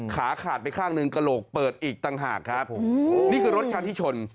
ขาขาดไปข้างหนึ่งกระโหลกเปิดอีกต่างหากครับนี่คือรถคันที่ชน